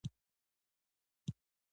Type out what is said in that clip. مچان د جامو پر غاړه کښېني